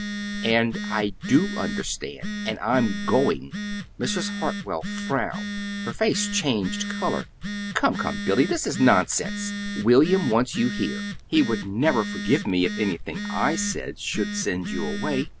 "And I do understand and I'm going." Mrs. Hartwell frowned. Her face changed color. "Come, come, Billy, this is nonsense. William wants you here. He would never forgive me if anything I said should send you away.